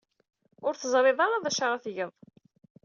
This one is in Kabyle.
Ur teẓrid ara d acu ara tged.